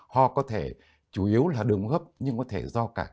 ho có thể chủ yếu là đường hấp nhưng có thể do cả